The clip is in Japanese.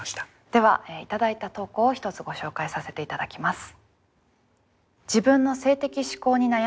では頂いた投稿を１つご紹介させて頂きます。